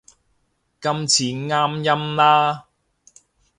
今次啱音啦